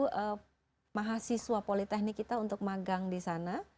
itu mahasiswa politeknik kita untuk magang di sana